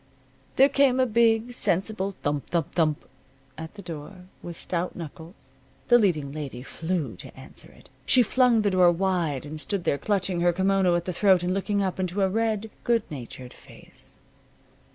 There came a big, sensible thump thump thump at the door, with stout knuckles. The leading lady flew to answer it. She flung the door wide and stood there, clutching her kimono at the throat and looking up into a red, good natured face.